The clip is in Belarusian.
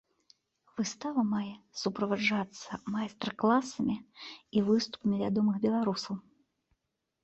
Выстава мае суправаджацца майстар-класамі і выступамі вядомых беларусаў.